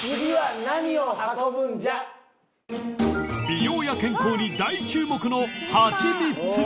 ［美容や健康に大注目の］